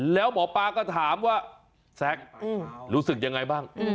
แล้วหมอปลาก็ถามว่าแซ็กรู้สึกยังไงบ้าง